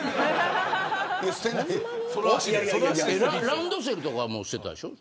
ランドセルとかはもう捨てたでしょ。